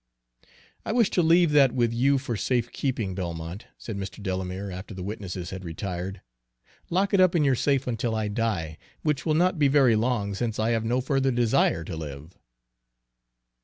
"I wish to leave that with you for safe keeping, Belmont," said Mr. Delamere, after the witnesses had retired. "Lock it up in your safe until I die, which will not be very long, since I have no further desire to live."